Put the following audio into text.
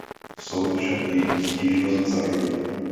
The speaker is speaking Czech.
Soud však její stížnost zamítl.